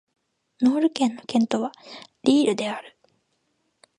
ノール県の県都はリールである